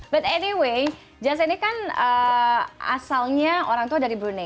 but anyway jazz ini kan asalnya orang tua dari brunei